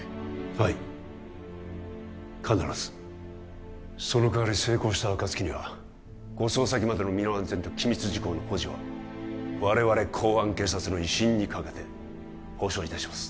はい必ずそのかわり成功したあかつきには護送先までの身の安全と機密事項の保持は我々公安警察の威信にかけて保証いたします